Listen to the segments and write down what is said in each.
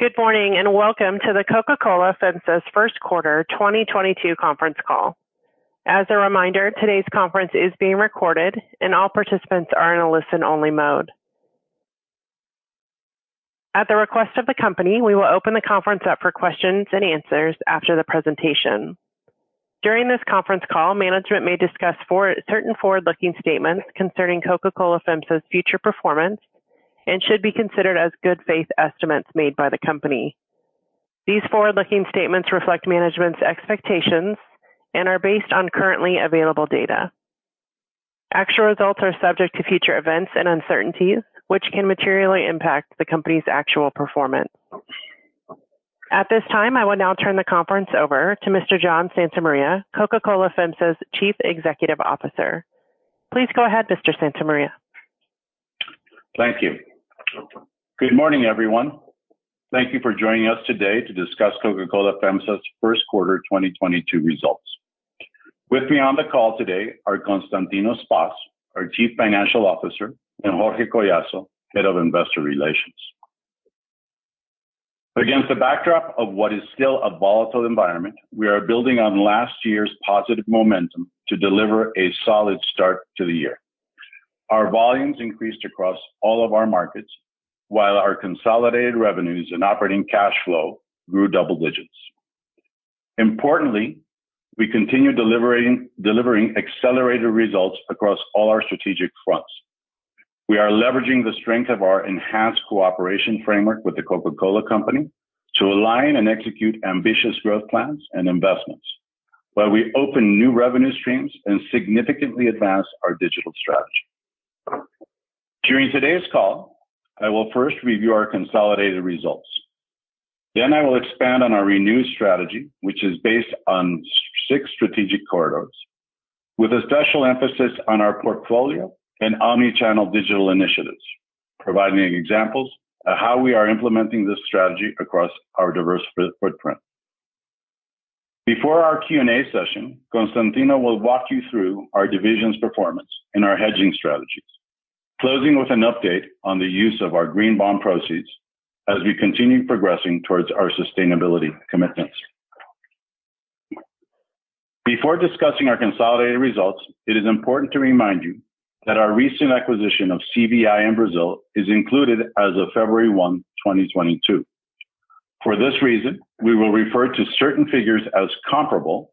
Good morning, and welcome to the Coca-Cola FEMSA's first quarter, twenty twenty-two conference call. As a reminder, today's conference is being recorded and all participants are in a listen-only mode. At the request of the company, we will open the conference up for questions and answers after the presentation. During this conference call, management may discuss certain forward-looking statements concerning Coca-Cola FEMSA's future performance and should be considered as good faith estimates made by the company. These forward-looking statements reflect management's expectations and are based on currently available data. Actual results are subject to future events and uncertainties, which can materially impact the company's actual performance. At this time, I will now turn the conference over to Mr. John Santa Maria, Coca-Cola FEMSA's Chief Executive Officer. Please go ahead, Mr. Santa Maria. Thank you. Good morning, everyone. Thank you for joining us today to discuss Coca-Cola FEMSA's first quarter 2022 results. With me on the call today are Constantino Spas, our Chief Financial Officer, and Jorge Collazo, Head of Investor Relations. Against the backdrop of what is still a volatile environment, we are building on last year's positive momentum to deliver a solid start to the year. Our volumes increased across all of our markets, while our consolidated revenues and operating cash flow grew double digits. Importantly, we continue delivering, delivering accelerated results across all our strategic fronts. We are leveraging the strength of our enhanced cooperation framework with The Coca-Cola Company to align and execute ambitious growth plans and investments, while we open new revenue streams and significantly advance our digital strategy. During today's call, I will first review our consolidated results. Then I will expand on our renewed strategy, which is based on six strategic corridors, with a special emphasis on our portfolio and omni-channel digital initiatives, providing examples of how we are implementing this strategy across our diverse footprint. Before our Q&A session, Constantino will walk you through our divisions' performance and our hedging strategies, closing with an update on the use of our green bond proceeds as we continue progressing towards our sustainability commitments. Before discussing our consolidated results, it is important to remind you that our recent acquisition of CVI in Brazil is included as of February 1st, 2022. For this reason, we will refer to certain figures as comparable,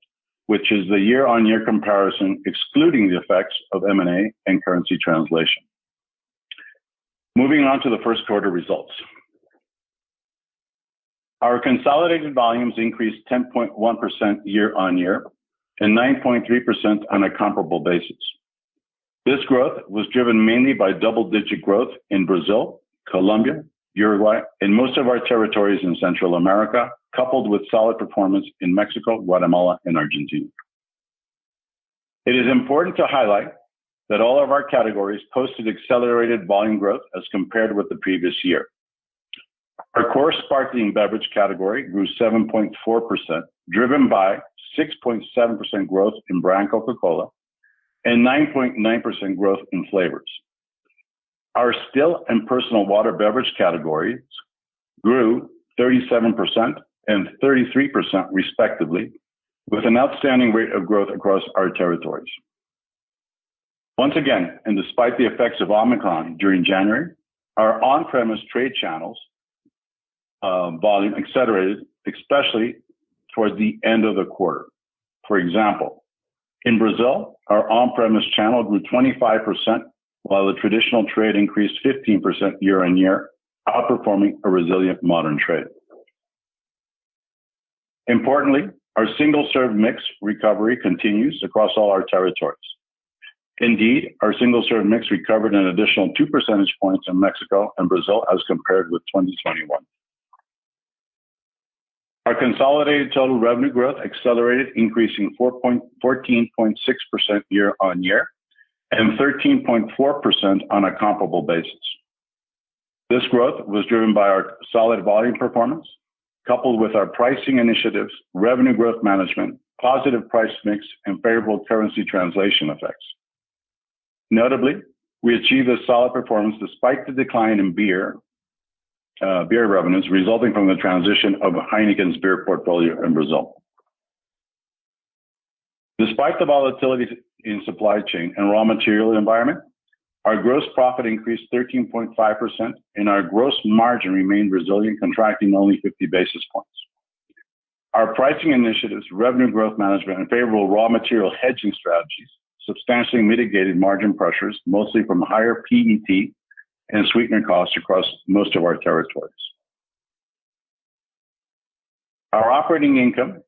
which is the year-on-year comparison, excluding the effects of M&A and currency translation. Moving on to the first quarter results. Our consolidated volumes increased 10.1% year-on-year and 9.3% on a comparable basis. This growth was driven mainly by double-digit growth in Brazil, Colombia, Uruguay, and most of our territories in Central America, coupled with solid performance in Mexico, Guatemala, and Argentina. It is important to highlight that all of our categories posted accelerated volume growth as compared with the previous year. Our core sparkling beverage category grew 7.4%, driven by 6.7% growth in brand Coca-Cola and 9.9% growth in flavors. Our still and personal water beverage categories grew 37% and 33%, respectively, with an outstanding rate of growth across our territories. Once again, and despite the effects of Omicron during January, our on-premise trade channels volume accelerated, especially towards the end of the quarter. For example, in Brazil, our on-premise channel grew 25%, while the traditional trade increased 15% year-on-year, outperforming a resilient modern trade. Importantly, our single-serve mix recovery continues across all our territories. Indeed, our single-serve mix recovered an additional two percentage points in Mexico and Brazil as compared with 2021. Our consolidated total revenue growth accelerated, increasing 14.6% year-on-year, and 13.4% on a comparable basis. This growth was driven by our solid volume performance, coupled with our pricing initiatives, revenue growth management, positive price mix, and favorable currency translation effects. Notably, we achieved a solid performance despite the decline in beer revenues, resulting from the transition of Heineken's beer portfolio in Brazil. Despite the volatility in supply chain and raw material environment, our gross profit increased 13.5%, and our gross margin remained resilient, contracting only 50 basis points. Our pricing initiatives, revenue growth management, and favorable raw material hedging strategies substantially mitigated margin pressures, mostly from higher PET and sweetener costs across most of our territories. Our operating income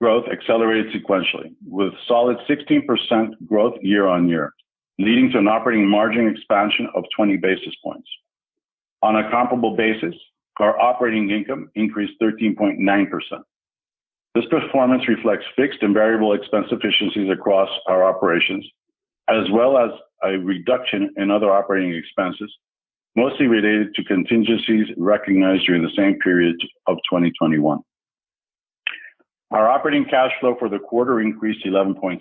growth accelerated sequentially, with solid 16% growth year-on-year, leading to an operating margin expansion of 20 basis points. On a comparable basis, our operating income increased 13.9%. This performance reflects fixed and variable expense efficiencies across our operations, as well as a reduction in other operating expenses, mostly related to contingencies recognized during the same period of twenty twenty-one. Our operating cash flow for the quarter increased 11.6%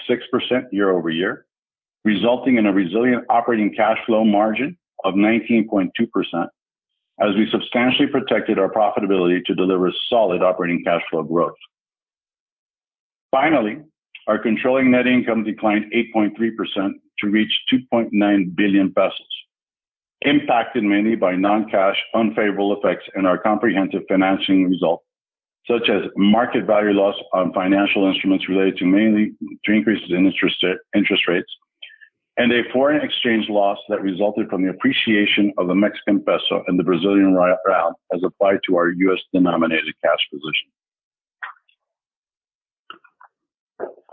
year-over-year, resulting in a resilient operating cash flow margin of 19.2%, as we substantially protected our profitability to deliver solid operating cash flow growth. Finally, our controlling net income declined 8.3% to reach 2.9 billion pesos, impacted mainly by non-cash unfavorable effects in our comprehensive financing result, such as market value loss on financial instruments related mainly to increases in interest rates, and a foreign exchange loss that resulted from the appreciation of the Mexican peso and the Brazilian real as applied to our US-denominated cash position.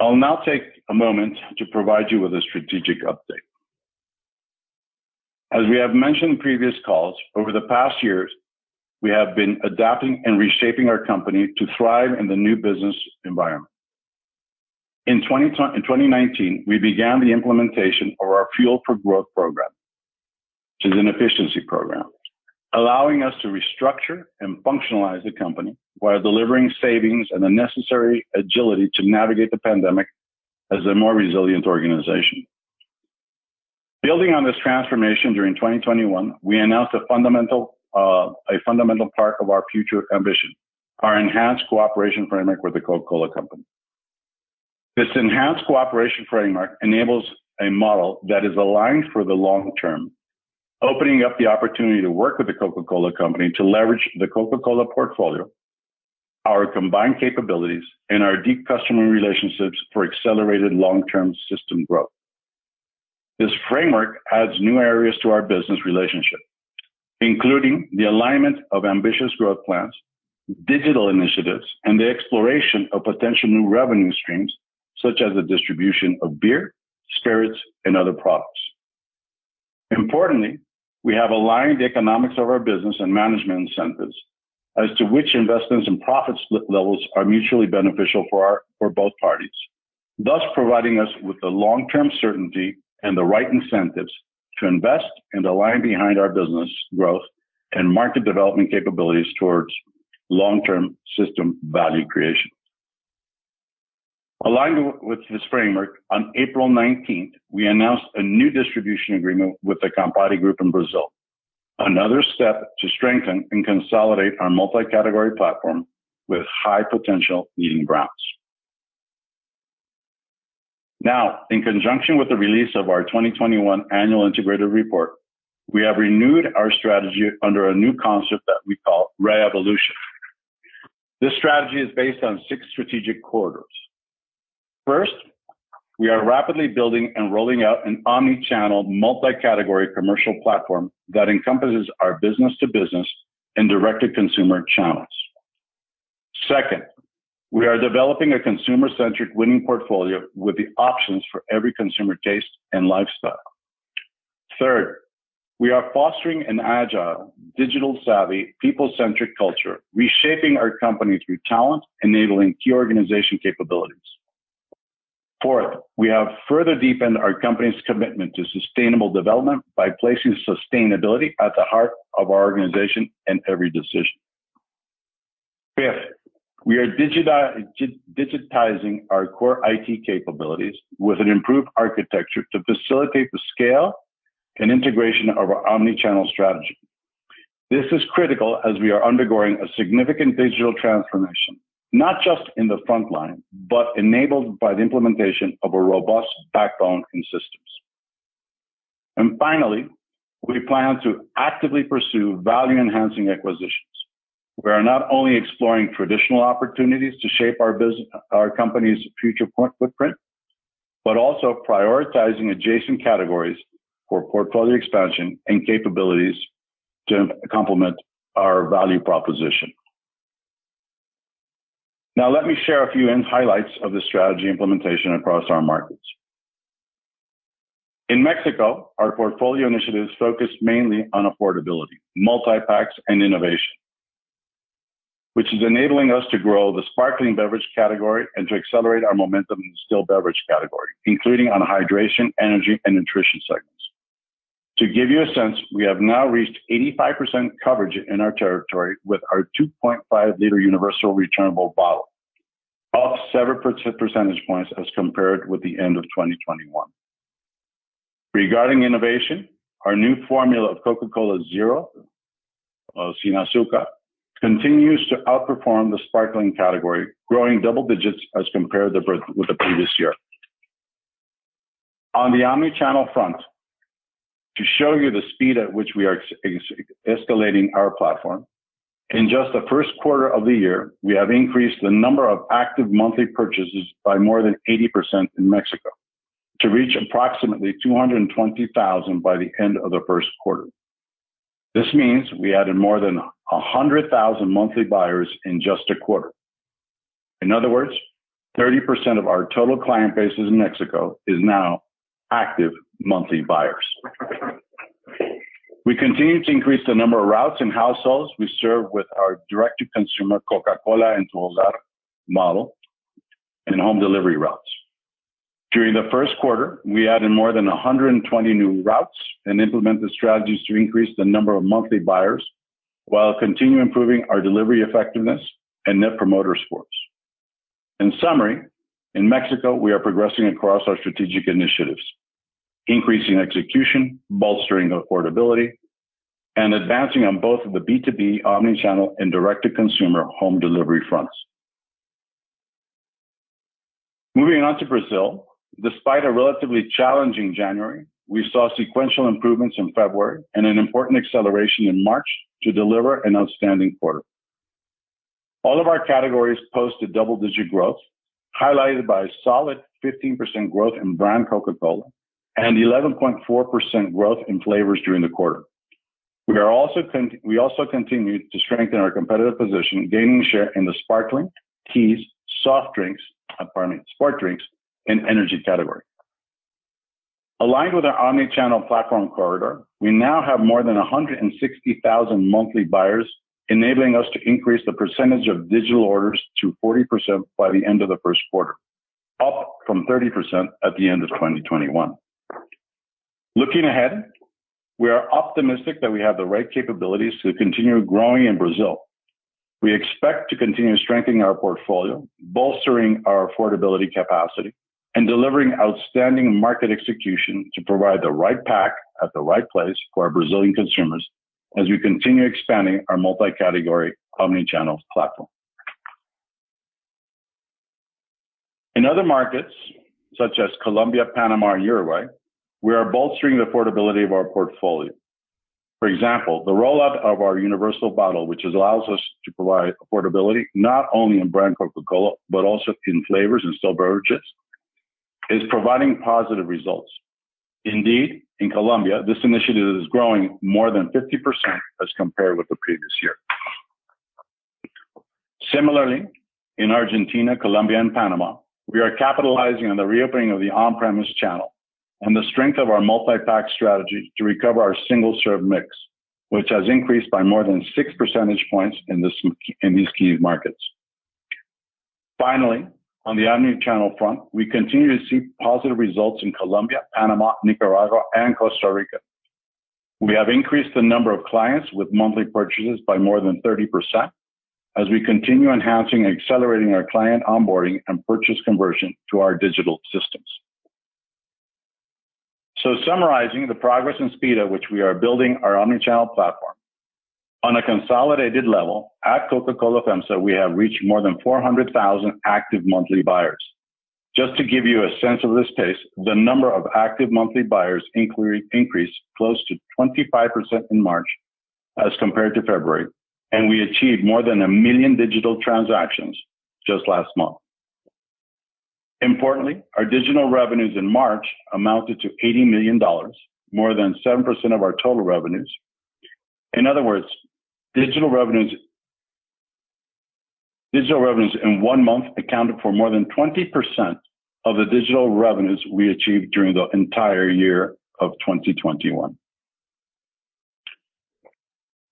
I'll now take a moment to provide you with a strategic update. As we have mentioned in previous calls, over the past years, we have been adapting and reshaping our company to thrive in the new business environment. In 2019, we began the implementation of our Fuel for Growth program, which is an efficiency program, allowing us to restructure and functionalize the company while delivering savings and the necessary agility to navigate the pandemic as a more resilient organization. Building on this transformation during 2021, we announced a fundamental, a fundamental part of our future ambition, our enhanced cooperation framework with The Coca-Cola Company. This enhanced cooperation framework enables a model that is aligned for the long term, opening up the opportunity to work with The Coca-Cola Company to leverage the Coca-Cola portfolio, our combined capabilities, and our deep customer relationships for accelerated long-term system growth. This framework adds new areas to our business relationship, including the alignment of ambitious growth plans, digital initiatives, and the exploration of potential new revenue streams, such as the distribution of beer, spirits, and other products. Importantly, we have aligned the economics of our business and management incentives as to which investments and profit split levels are mutually beneficial for both parties, thus providing us with the long-term certainty and the right incentives to invest and align behind our business growth and market development capabilities towards long-term system value creation. Aligned with this framework, on April nineteenth, we announced a new distribution agreement with the Campari Group in Brazil, another step to strengthen and consolidate our multi-category platform with high potential meeting grounds. Now, in conjunction with the release of our 2021 annual integrated report, we have renewed our strategy under a new concept that we call Re-Evolution. This strategy is based on six strategic corridors. First, we are rapidly building and rolling out an omni-channel, multi-category commercial platform that encompasses our business-to-business and direct-to-consumer channels. Second, we are developing a consumer-centric winning portfolio with the options for every consumer taste and lifestyle. Third, we are fostering an agile, digital-savvy, people-centric culture, reshaping our company through talent, enabling key organization capabilities. Fourth, we have further deepened our company's commitment to sustainable development by placing sustainability at the heart of our organization and every decision. Fifth, we are digitizing our core IT capabilities with an improved architecture to facilitate the scale and integration of our omni-channel strategy. This is critical as we are undergoing a significant digital transformation, not just in the frontline, but enabled by the implementation of a robust backbone in systems. And finally, we plan to actively pursue value-enhancing acquisitions. We are not only exploring traditional opportunities to shape our company's future footprint, but also prioritizing adjacent categories for portfolio expansion and capabilities to complement our value proposition. Now, let me share a few end highlights of the strategy implementation across our markets. In Mexico, our portfolio initiatives focus mainly on affordability, multi-packs, and innovation, which is enabling us to grow the sparkling beverage category and to accelerate our momentum in the still beverage category, including on hydration, energy, and nutrition segments. To give you a sense, we have now reached 85% coverage in our territory with our 2.5-liter universal returnable bottle, up 7% points as compared with the end of 2021. Regarding innovation, our new formula of Coca-Cola Zero Sin Azúcar continues to outperform the sparkling category, growing double digits as compared with the previous year. On the omni-channel front, to show you the speed at which we are escalating our platform, in just the first quarter of the year, we have increased the number of active monthly purchases by more than 80% in Mexico, to reach approximately 220,000 by the end of the first quarter. This means we added more than 100,000 monthly buyers in just a quarter. In other words, 30% of our total client base in Mexico is now active monthly buyers. We continue to increase the number of routes and households we serve with our direct-to-consumer Coca-Cola en tu Hogar model and home delivery routes. During the first quarter, we added more than 120 new routes and implemented strategies to increase the number of monthly buyers, while continuing improving our delivery effectiveness and net promoter scores. In summary, in Mexico, we are progressing across our strategic initiatives: increasing execution, bolstering affordability, and advancing on both of the B2B omni-channel and direct-to-consumer home delivery fronts. Moving on to Brazil, despite a relatively challenging January, we saw sequential improvements in February and an important acceleration in March to deliver an outstanding quarter. All of our categories posted double-digit growth, highlighted by solid 15% growth in brand Coca-Cola and 11.4% growth in flavors during the quarter. We also continued to strengthen our competitive position, gaining share in the sparkling, teas, soft drinks, pardon me, sport drinks, and energy category. Aligned with our omni-channel platform corridor, we now have more than 160,000 monthly buyers, enabling us to increase the percentage of digital orders to 40% by the end of the first quarter, up from 30% at the end of 2021. Looking ahead, we are optimistic that we have the right capabilities to continue growing in Brazil. We expect to continue strengthening our portfolio, bolstering our affordability capacity, and delivering outstanding market execution to provide the right pack at the right place for our Brazilian consumers, as we continue expanding our multi-category omni-channel platform. In other markets, such as Colombia, Panama, and Uruguay, we are bolstering the affordability of our portfolio. For example, the rollout of our Universal Bottle, which allows us to provide affordability, not only in brand Coca-Cola, but also in flavors and still beverages, is providing positive results. Indeed, in Colombia, this initiative is growing more than 50% as compared with the previous year. Similarly, in Argentina, Colombia, and Panama, we are capitalizing on the reopening of the on-premise channel and the strength of our multi-pack strategy to recover our single-serve mix, which has increased by more than six percentage points in these key markets. Finally, on the omni-channel front, we continue to see positive results in Colombia, Panama, Nicaragua, and Costa Rica. We have increased the number of clients with monthly purchases by more than 30%, as we continue enhancing and accelerating our client onboarding and purchase conversion to our digital systems. So summarizing the progress and speed at which we are building our omni-channel platform, on a consolidated level, at Coca-Cola FEMSA, we have reached more than 400,000 active monthly buyers. Just to give you a sense of this pace, the number of active monthly buyers inquiry increased close to 25% in March as compared to February, and we achieved more than 1 million digital transactions just last month. Importantly, our digital revenues in March amounted to $80 million, more than 7% of our total revenues. In other words, digital revenues, digital revenues in one month accounted for more than 20% of the digital revenues we achieved during the entire year of 2021.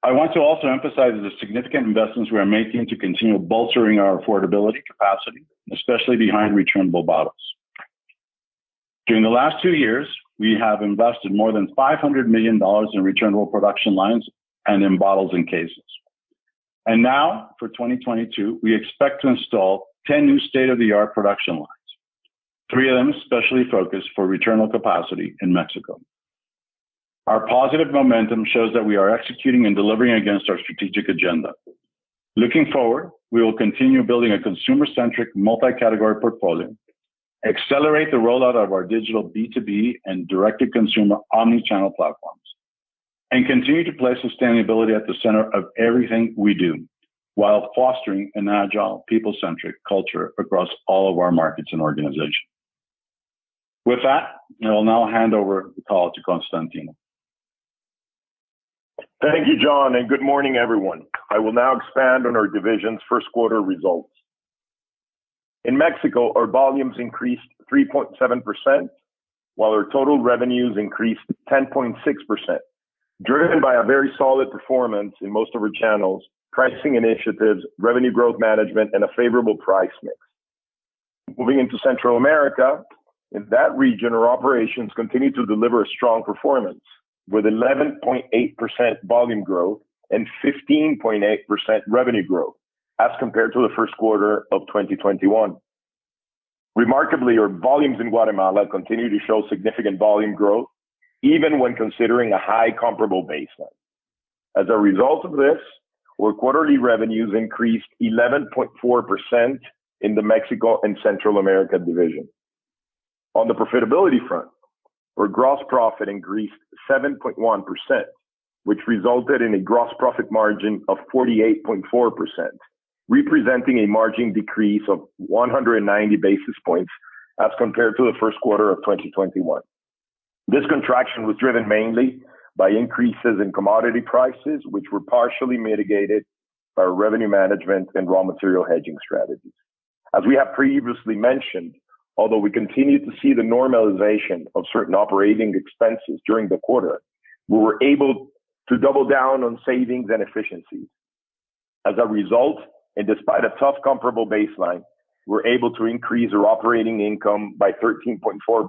I want to also emphasize the significant investments we are making to continue bolstering our affordability capacity, especially behind returnable bottles. During the last two years, we have invested more than $500 million in returnable production lines and in bottles and cases. Now, for 2022, we expect to install 10 new state-of-the-art production lines, three of them specially focused for returnable capacity in Mexico. Our positive momentum shows that we are executing and delivering against our strategic agenda. Looking forward, we will continue building a consumer-centric, multi-category portfolio, accelerate the rollout of our digital B2B and direct-to-consumer omni-channel platforms, and continue to place sustainability at the center of everything we do, while fostering an agile, people-centric culture across all of our markets and organization. With that, I will now hand over the call to Constantino. Thank you, John, and good morning, everyone. I will now expand on our division's first quarter results. In Mexico, our volumes increased 3.7%, while our total revenues increased 10.6%, driven by a very solid performance in most of our channels, pricing initiatives, revenue growth management, and a favorable price mix. Moving into Central America, in that region, our operations continued to deliver a strong performance, with 11.8% volume growth and 15.8% revenue growth as compared to the first quarter of 2021. Remarkably, our volumes in Guatemala continue to show significant volume growth, even when considering a high comparable baseline. As a result of this, our quarterly revenues increased 11.4% in the Mexico and Central America division. On the profitability front, our gross profit increased 7.1%, which resulted in a gross profit margin of 48.4%, representing a margin decrease of 190 basis points as compared to the first quarter of 2021. This contraction was driven mainly by increases in commodity prices, which were partially mitigated by revenue management and raw material hedging strategies. As we have previously mentioned, although we continued to see the normalization of certain operating expenses during the quarter, we were able to double down on savings and efficiencies.... As a result, and despite a tough comparable baseline, we're able to increase our operating income by 13.4%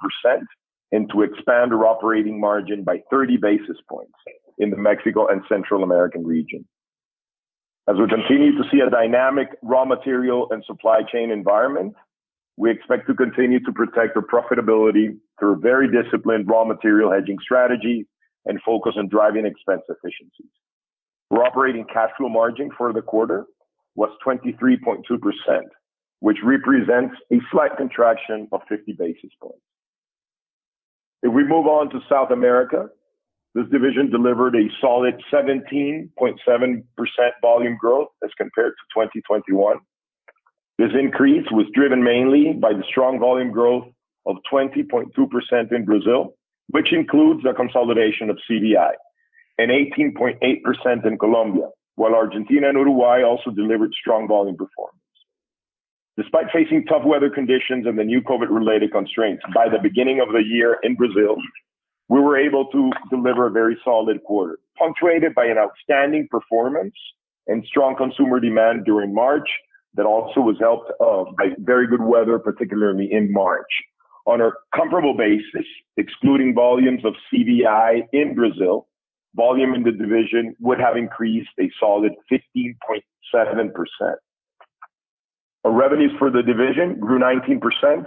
and to expand our operating margin by 30 basis points in the Mexico and Central American region. As we continue to see a dynamic raw material and supply chain environment, we expect to continue to protect our profitability through a very disciplined raw material hedging strategy and focus on driving expense efficiencies. Our operating cash flow margin for the quarter was 23.2%, which represents a slight contraction of 50 basis points. If we move on to South America, this division delivered a solid 17.7% volume growth as compared to 2021. This increase was driven mainly by the strong volume growth of 20.2% in Brazil, which includes the consolidation of CVI, and 18.8% in Colombia, while Argentina and Uruguay also delivered strong volume performance. Despite facing tough weather conditions and the new COVID-related constraints by the beginning of the year in Brazil, we were able to deliver a very solid quarter, punctuated by an outstanding performance and strong consumer demand during March. That also was helped by very good weather, particularly in March. On a comparable basis, excluding volumes of CVI in Brazil, volume in the division would have increased a solid 15.7%. Our revenues for the division grew 19% as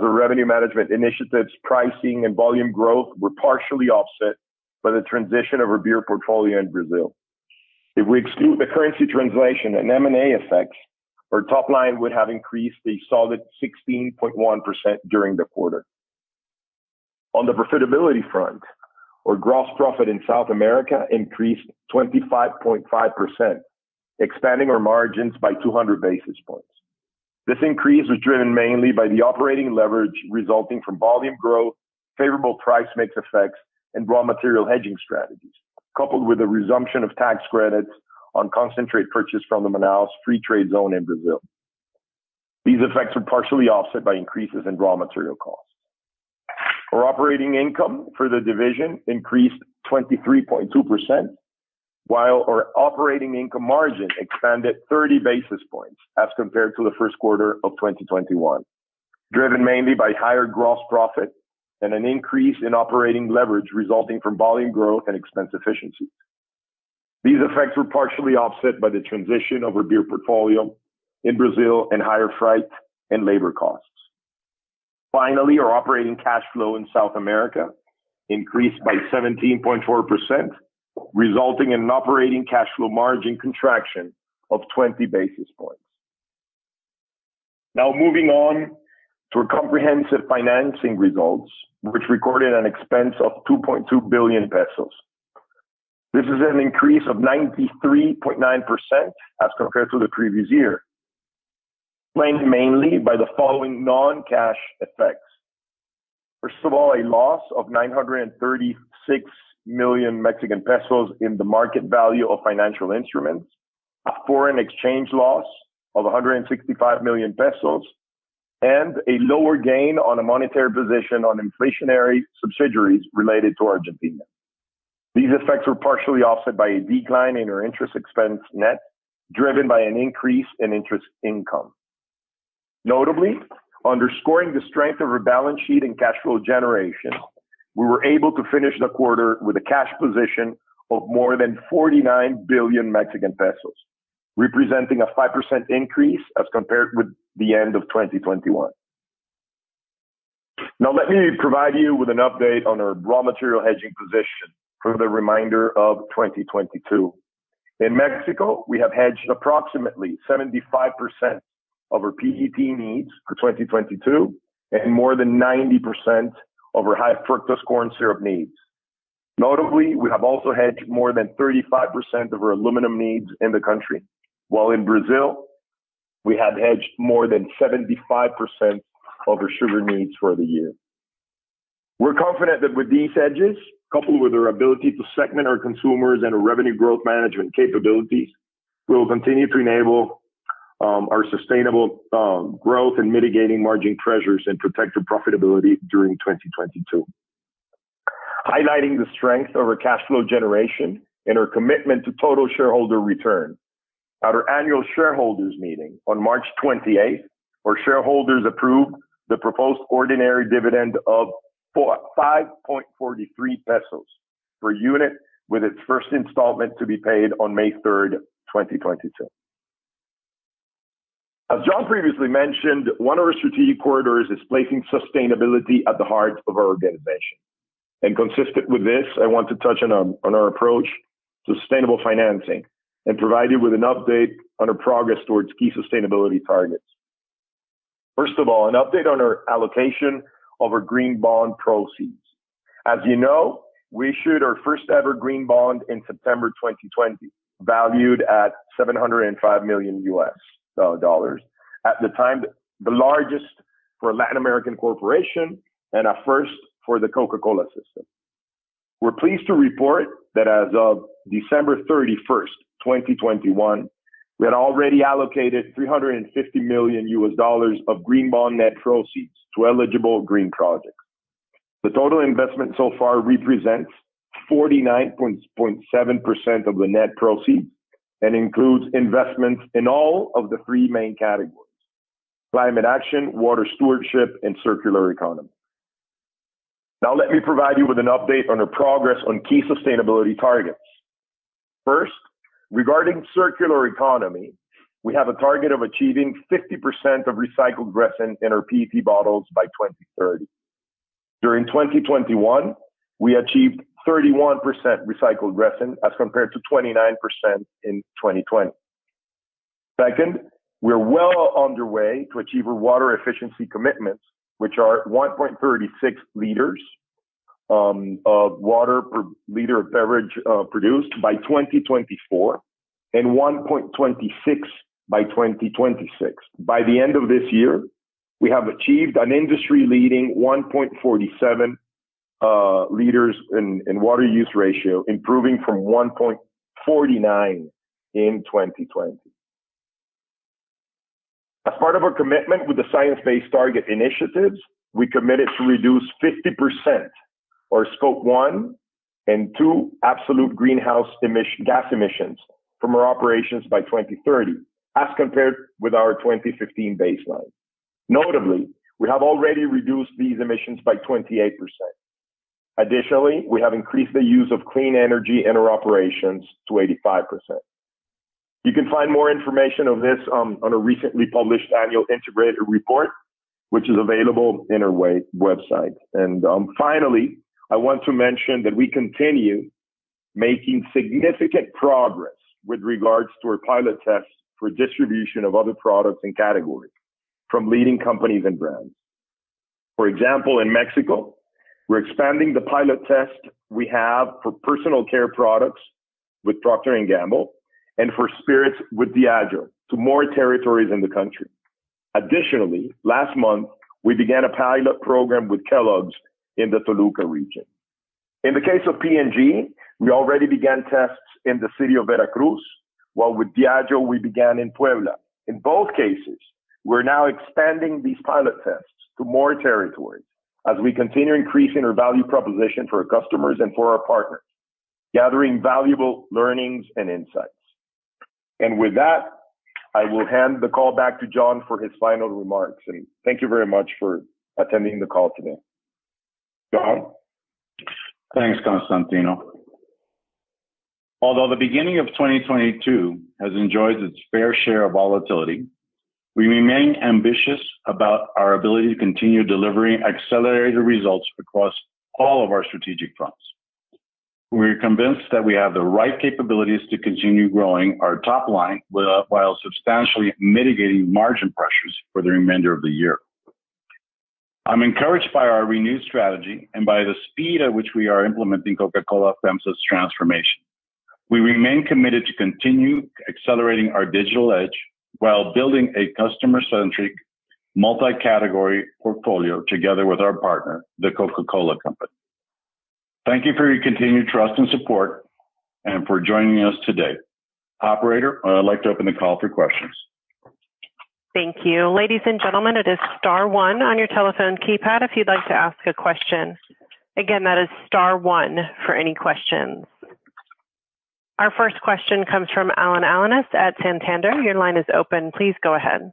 our revenue management initiatives, pricing, and volume growth were partially offset by the transition of our beer portfolio in Brazil. If we exclude the currency translation and M&A effects, our top line would have increased a solid 16.1% during the quarter. On the profitability front, our gross profit in South America increased 25.5%, expanding our margins by 200 basis points. This increase was driven mainly by the operating leverage resulting from volume growth, favorable price mix effects, and raw material hedging strategies, coupled with the resumption of tax credits on concentrate purchased from the Manaus Free Trade Zone in Brazil. These effects were partially offset by increases in raw material costs. Our operating income for the division increased 23.2%, while our operating income margin expanded thirty basis points as compared to the first quarter of 2021, driven mainly by higher gross profit and an increase in operating leverage resulting from volume growth and expense efficiencies. These effects were partially offset by the transition of our beer portfolio in Brazil and higher freight and labor costs. Finally, our operating cash flow in South America increased by 17.4%, resulting in an operating cash flow margin contraction of twenty basis points. Now moving on to our comprehensive financing results, which recorded an expense of 2.2 billion pesos. This is an increase of 93.9% as compared to the previous year, explained mainly by the following non-cash effects. First of all, a loss of 936 million Mexican pesos in the market value of financial instruments, a foreign exchange loss of 165 million pesos, and a lower gain on a monetary position on inflationary subsidiaries related to Argentina. These effects were partially offset by a decline in our interest expense net, driven by an increase in interest income. Notably, underscoring the strength of our balance sheet and cash flow generation, we were able to finish the quarter with a cash position of more than 49 billion Mexican pesos, representing a 5% increase as compared with the end of 2021. Now, let me provide you with an update on our raw material hedging position for the remainder of 2022. In Mexico, we have hedged approximately 75% of our PET needs for 2022 and more than 90% of our high fructose corn syrup needs. Notably, we have also hedged more than 35% of our aluminum needs in the country, while in Brazil, we have hedged more than 75% of our sugar needs for the year. We're confident that with these hedges, coupled with our ability to segment our consumers and our revenue growth management capabilities, we will continue to enable our sustainable growth and mitigating margin pressures and protect our profitability during 2022. Highlighting the strength of our cash flow generation and our commitment to total shareholder return, at our annual shareholders meeting on March 28th, our shareholders approved the proposed ordinary dividend of 45.43 pesos per unit, with its first installment to be paid on May 3rd, 2022. As John previously mentioned, one of our strategic corridors is placing sustainability at the heart of our organization. Consistent with this, I want to touch on our approach to sustainable financing and provide you with an update on our progress towards key sustainability targets. First of all, an update on our allocation of our green bond proceeds. As you know, we issued our first-ever green bond in September 2020, valued at $705 million. At the time, the largest for a Latin American corporation and a first for the Coca-Cola system. We're pleased to report that as of December thirty-first, 2021, we had already allocated $350 million of green bond net proceeds to eligible green projects. The total investment so far represents 49.7% of the net proceeds, and includes investments in all of the three main categories: climate action, water stewardship, and circular economy. Now, let me provide you with an update on our progress on key sustainability targets. First, regarding circular economy, we have a target of achieving 50% of recycled resin in our PET bottles by 2030. During 2021, we achieved 31% recycled resin, as compared to 29% in 2020. Second, we're well underway to achieve our water efficiency commitments, which are 1.36 liters of water per liter of beverage produced by 2024, and 1.26 by 2026. By the end of this year, we have achieved an industry-leading 1.47 liters in water use ratio, improving from 1.49 in 2020. As part of our commitment with the Science Based Targets initiative, we committed to reduce 50% our Scope 1 and 2 absolute greenhouse gas emissions from our operations by 2030, as compared with our 2015 baseline. Notably, we have already reduced these emissions by 28%. Additionally, we have increased the use of clean energy in our operations to 85%. You can find more information of this on a recently published annual integrated report, which is available in our website. Finally, I want to mention that we continue making significant progress with regards to our pilot tests for distribution of other products and categories from leading companies and brands. For example, in Mexico, we're expanding the pilot test we have for personal care products with Procter & Gamble, and for spirits with Diageo, to more territories in the country. Additionally, last month, we began a pilot program with Kellogg's in the Toluca region. In the case of P&G, we already began tests in the city of Veracruz, while with Diageo, we began in Puebla. In both cases, we're now expanding these pilot tests to more territories as we continue increasing our value proposition for our customers and for our partners, gathering valuable learnings and insights. And with that, I will hand the call back to John for his final remarks. Thank you very much for attending the call today. John? Thanks, Constantino. Although the beginning of 2022 has enjoyed its fair share of volatility, we remain ambitious about our ability to continue delivering accelerated results across all of our strategic fronts. We're convinced that we have the right capabilities to continue growing our top line, while substantially mitigating margin pressures for the remainder of the year. I'm encouraged by our renewed strategy and by the speed at which we are implementing Coca-Cola FEMSA's transformation. We remain committed to continue accelerating our digital edge while building a customer-centric, multi-category portfolio together with our partner, The Coca-Cola Company. Thank you for your continued trust and support, and for joining us today. Operator, I'd like to open the call for questions. Thank you. Ladies and gentlemen, it is star one on your telephone keypad if you'd like to ask a question. Again, that is star one for any questions. Our first question comes from Alan Alanis at Santander. Your line is open. Please go ahead.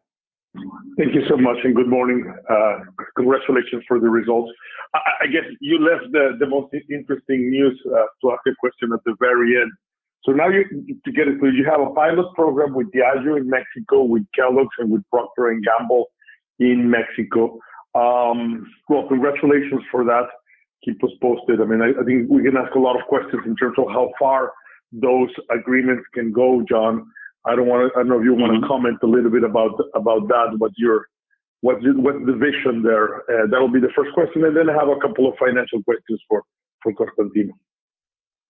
Thank you so much, and good morning. Congratulations for the results. I guess you left the most interesting news to ask a question at the very end. So now, to get it clear, you have a pilot program with Diageo in Mexico, with Kellogg's, and with Procter & Gamble in Mexico. Well, congratulations for that. Keep us posted. I mean, I think we can ask a lot of questions in terms of how far those agreements can go, John. I don't wanna. I don't know if you wanna comment a little bit about that, what your vision there. That will be the first question. And then I have a couple of financial questions for Constantino.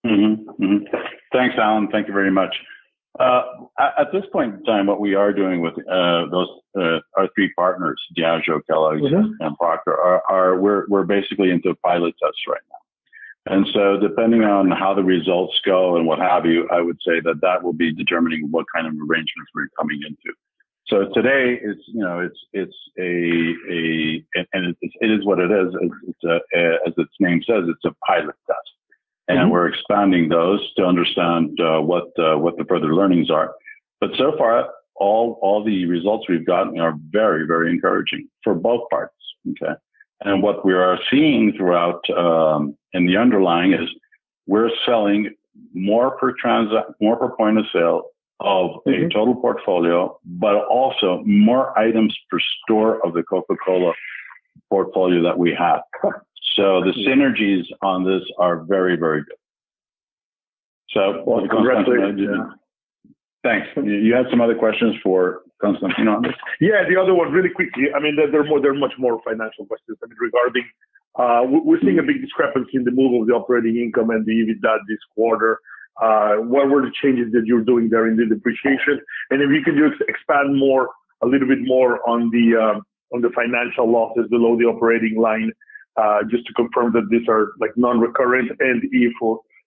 Mm-hmm. Mm-hmm. Thanks, Alan. Thank you very much. At this point in time, what we are doing with those our three partners, Diageo, Kellogg's- Mm-hmm... and Procter, we're basically into pilot tests right now, and so depending on how the results go and what have you, I would say that will be determining what kind of arrangements we're coming into, so today, it's, you know, it's a... and it is what it is. It's, as its name says, it's a pilot test. Mm-hmm. And we're expanding those to understand what the further learnings are. But so far, all the results we've gotten are very encouraging for both parties, okay? And what we are seeing throughout in the underlying is, we're selling more per point of sale of- Mm-hmm... a total portfolio, but also more items per store of the Coca-Cola portfolio that we have. So the synergies on this are very, very good. So- Well, congratulations. Thanks. You had some other questions for Constantino? Yeah, the other one, really quickly, I mean, there are much more financial questions. I mean, regarding, we're seeing a big discrepancy in the move of the operating income and the EBITDA this quarter. What were the changes that you're doing there in the depreciation? And if you could just expand more, a little bit more on the, on the financial losses below the operating line, just to confirm that these are, like, non-recurrent, and if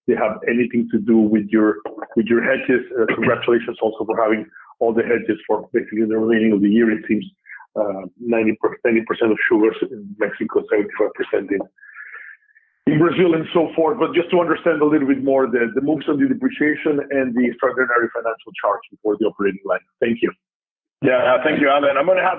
they have anything to do with your, with your hedges. Congratulations also for having all the hedges for basically the remaining of the year. It seems, 90% of sugars in Mexico, 75% in Coca-Cola-... in Brazil and so forth, but just to understand a little bit more the moves on the depreciation and the extraordinary financial charge before the operating line. Thank you. Yeah, thank you, Alan. I'm gonna have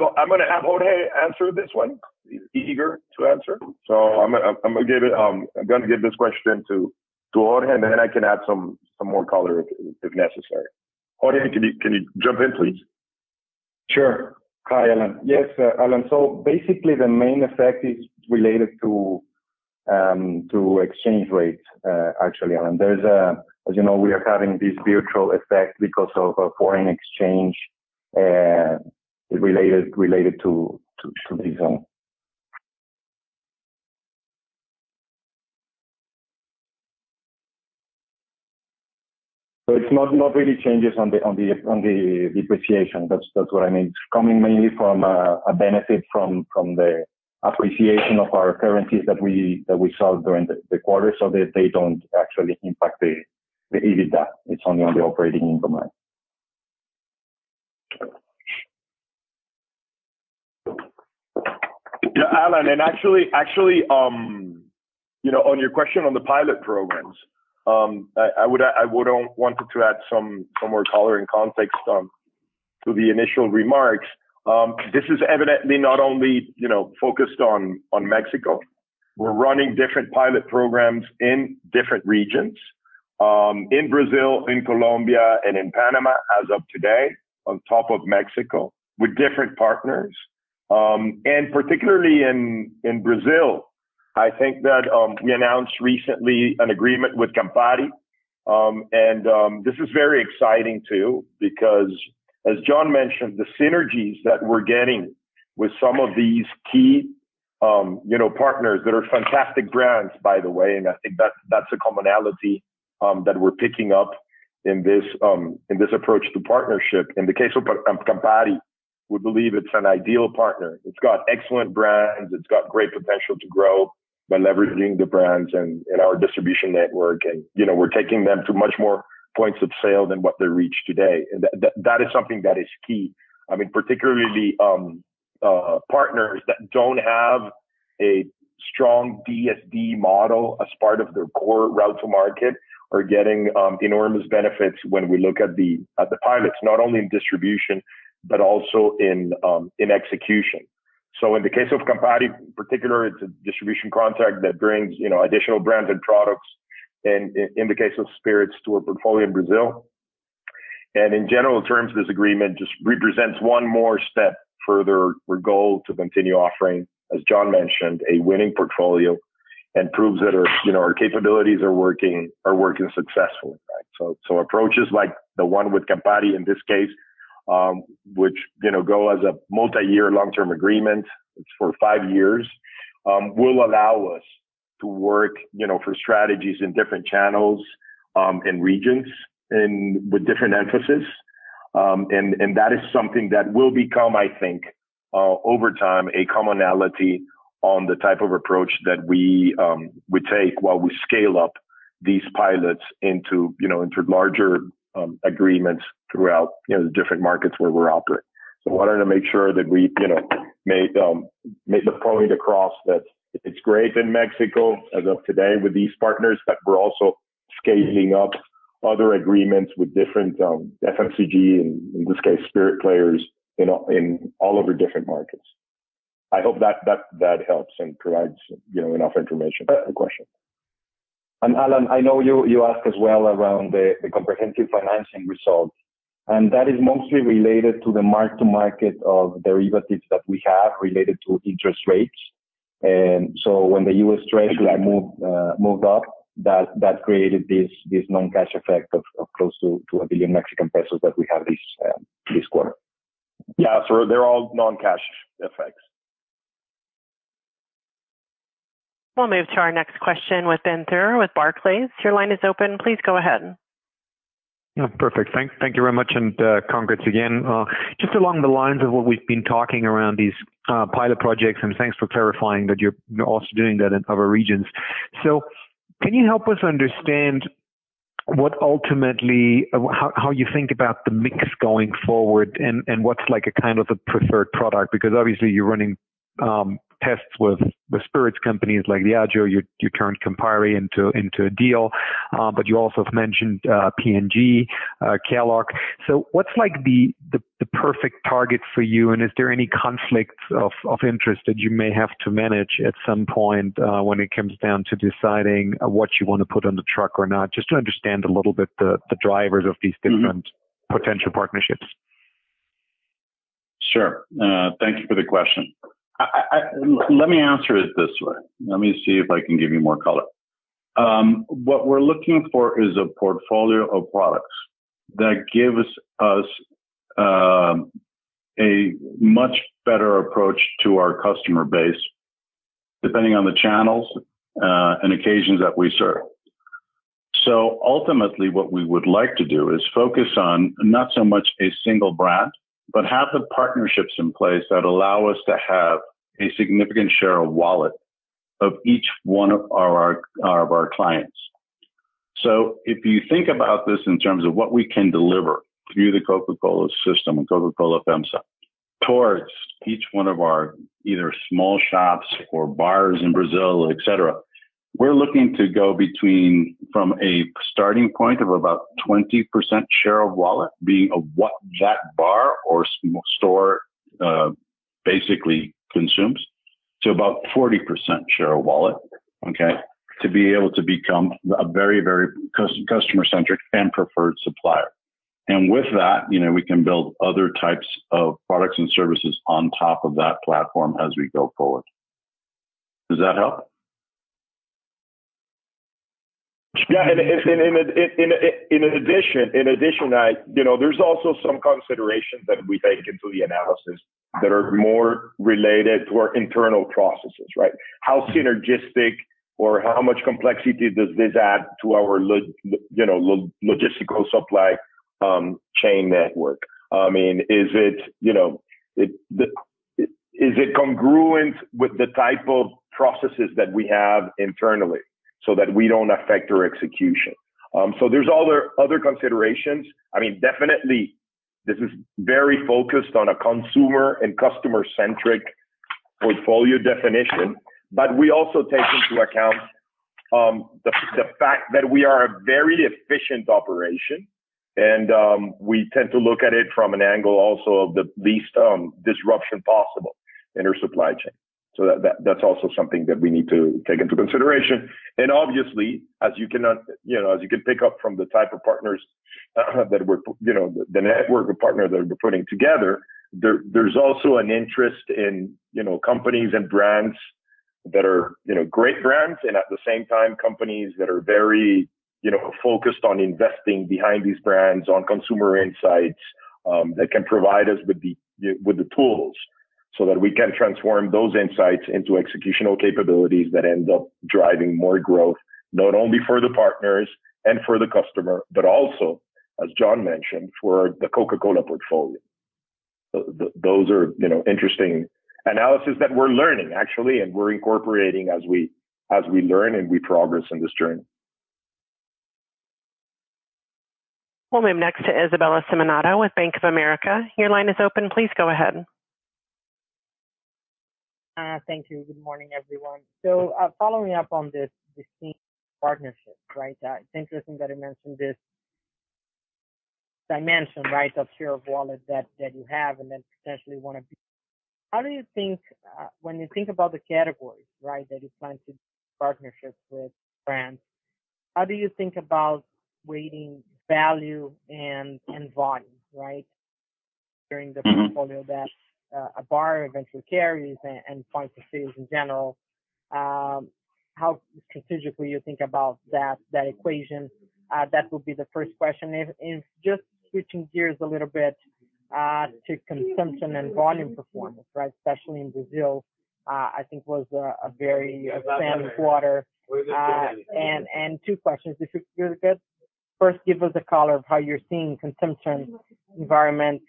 Jorge answer this one. He's eager to answer, so I'm gonna give it to Jorge, and then I can add some more color if necessary. Jorge, can you jump in, please? Sure. Hi, Alan. Yes, Alan, so basically, the main effect is related to exchange rates, actually, Alan. There's a-- As you know, we are having this virtual effect because of a foreign exchange related to this one. So it's not really changes on the depreciation. That's what I mean. It's coming mainly from a benefit from the appreciation of our currencies that we saw during the quarter, so they don't actually impact the EBITDA. It's only on the operating income line. Yeah, Alan, and actually, you know, on your question on the pilot programs, I would want to add some more color and context to the initial remarks. This is evidently not only focused on Mexico. We're running different pilot programs in different regions in Brazil, in Colombia, and in Panama as of today, on top of Mexico, with different partners. And particularly in Brazil, I think that we announced recently an agreement with Campari, and this is very exciting, too, because, as John mentioned, the synergies that we're getting with some of these key partners that are fantastic brands, by the way, and I think that's a commonality that we're picking up in this approach to partnership. In the case of Campari, we believe it's an ideal partner. It's got excellent brands, it's got great potential to grow by leveraging the brands and our distribution network, and, you know, we're taking them to much more points of sale than what they reach today. And that is something that is key. I mean, particularly, partners that don't have a strong DSD model as part of their core route to market are getting enormous benefits when we look at the pilots, not only in distribution, but also in execution. So in the case of Campari, particular, it's a distribution contract that brings, you know, additional brands and products, and in the case of spirits, to our portfolio in Brazil. In general terms, this agreement just represents one more step further our goal to continue offering, as John mentioned, a winning portfolio, and proves that our, you know, our capabilities are working successfully, right? So approaches like the one with Campari, in this case, which, you know, go as a multiyear long-term agreement, it's for five years, will allow us to work, you know, for strategies in different channels, and regions, and with different emphasis. That is something that will become, I think, over time, a commonality on the type of approach that we take while we scale up these pilots into, you know, into larger agreements throughout, you know, the different markets where we're operating. So I wanted to make sure that we, you know, made the point across that it's great in Mexico as of today with these partners, but we're also scaling up other agreements with different FMCG, and in this case, spirit players, in all of the different markets. I hope that helps and provides, you know, enough information for the question. Alan, I know you asked as well around the comprehensive financing results, and that is mostly related to the mark to market of derivatives that we have related to interest rates. So when the U.S. rates were moved up, that created this non-cash effect of close to 1 billion Mexican pesos that we have this quarter. Yeah, so they're all non-cash effects. We'll move to our next question with Ben Theurer, with Barclays. Your line is open. Please go ahead. Yeah, perfect. Thank, thank you very much, and, congrats again. Just along the lines of what we've been talking around these pilot projects, and thanks for clarifying that you're also doing that in other regions. So can you help us understand what ultimately how you think about the mix going forward and what's, like, a kind of a preferred product? Because obviously, you're running tests with spirits companies like Diageo, you turned Campari into a deal, but you also have mentioned P&G, Kellogg. So what's like the perfect target for you, and is there any conflicts of interest that you may have to manage at some point when it comes down to deciding what you want to put on the truck or not? Just to understand a little bit the drivers of these different- Mm-hmm... potential partnerships. Sure. Thank you for the question. Let me answer it this way. Let me see if I can give you more color. What we're looking for is a portfolio of products that gives us a much better approach to our customer base, depending on the channels and occasions that we serve. So ultimately, what we would like to do is focus on not so much a single brand, but have the partnerships in place that allow us to have a significant share of wallet of each one of our clients.... So if you think about this in terms of what we can deliver through the Coca-Cola system and Coca-Cola FEMSA, towards each one of our either small shops or bars in Brazil, et cetera, we're looking to go between, from a starting point of about 20% share of wallet, being of what that bar or store basically consumes, to about 40% share of wallet, okay? To be able to become a very, very customer-centric and preferred supplier. And with that, you know, we can build other types of products and services on top of that platform as we go forward. Does that help? Yeah, and in addition, you know, there's also some considerations that we take into the analysis that are more related to our internal processes, right? How synergistic or how much complexity does this add to our logistical supply chain network? I mean, is it, you know, is it congruent with the type of processes that we have internally so that we don't affect our execution? So there's other considerations. I mean, definitely, this is very focused on a consumer and customer-centric portfolio definition, but we also take into account the fact that we are a very efficient operation, and we tend to look at it from an angle also of the least disruption possible in our supply chain. So that's also something that we need to take into consideration. And obviously, as you can, you know, as you can pick up from the type of partners that we're, you know, the network of partners that we're putting together, there's also an interest in, you know, companies and brands that are, you know, great brands, and at the same time, companies that are very, you know, focused on investing behind these brands, on consumer insights, that can provide us with the tools, so that we can transform those insights into executional capabilities that end up driving more growth, not only for the partners and for the customer, but also, as John mentioned, for the Coca-Cola portfolio. Those are, you know, interesting analysis that we're learning, actually, and we're incorporating as we learn and we progress in this journey. We'll move next to Isabella Simonato with Bank of America. Your line is open. Please go ahead. Thank you. Good morning, everyone. So, following up on this partnership, right? It's interesting that you mentioned this dimension, right, of share of wallet that you have and then potentially wanna be... How do you think, when you think about the categories, right, that you're planning to partner with brands, how do you think about weighting value and volume, right? In the portfolio that a brand eventually carries and points of sale in general, how strategically you think about that equation? That would be the first question. Just switching gears a little bit, to consumption and volume performance, right? Especially in Brazil, I think was a very exciting quarter, and two questions, if you're good. First, give us a color of how you're seeing consumption environment,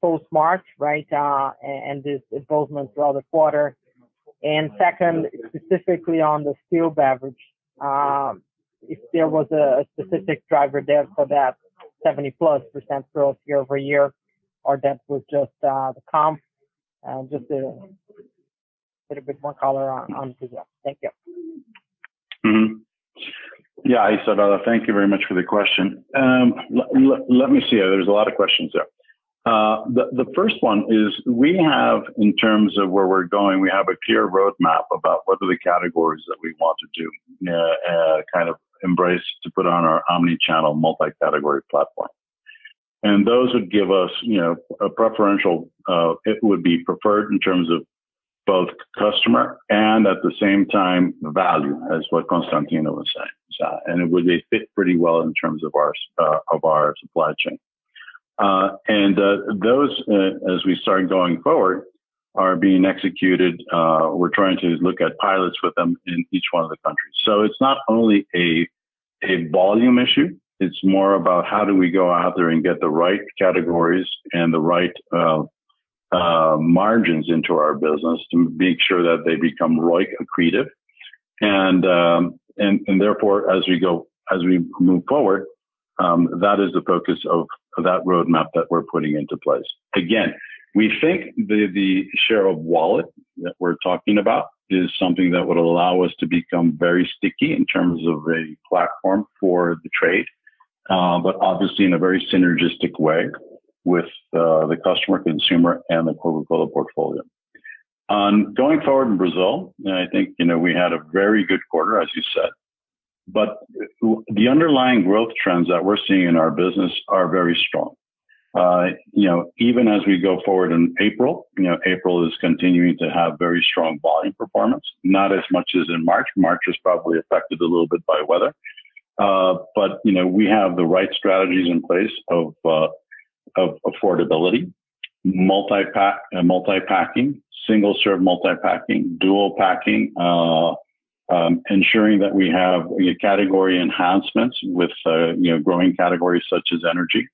post-March, right? Uh, a- and this involvement throughout the quarter. And second, specifically on the still beverage, um, if there was a, a specific driver there for that seventy plus percent growth year-over-year, or that was just, uh, the calm, um, just to put a bit more color on, on today. Thank you. Yeah, Isabella, thank you very much for the question. Let me see. There's a lot of questions there. The first one is, we have, in terms of where we're going, we have a clear roadmap about what are the categories that we want to do, kind of embrace to put on our omni-channel, multi-category platform. And those would give us, you know, a preferential. It would be preferred in terms of both customer and at the same time, value, as what Constantino was saying. And it would fit pretty well in terms of of our supply chain. And those, as we start going forward, are being executed, we're trying to look at pilots with them in each one of the countries. It's not only a volume issue. It's more about how do we go out there and get the right categories and the right margins into our business to make sure that they become ROIC accretive. And therefore, as we move forward, that is the focus of that roadmap that we're putting into place. Again, we think the share of wallet that we're talking about is something that would allow us to become very sticky in terms of a platform for the trade, but obviously in a very synergistic way with the customer, consumer, and the Coca-Cola portfolio. Going forward in Brazil, and I think, you know, we had a very good quarter, as you said, but the underlying growth trends that we're seeing in our business are very strong. You know, even as we go forward in April, you know, April is continuing to have very strong volume performance, not as much as in March. March was probably affected a little bit by weather. But, you know, we have the right strategies in place of, of affordability, multi-pack, multi-packing, single-serve multi-packing, dual packing, ensuring that we have category enhancements with, you know, growing categories such as energy.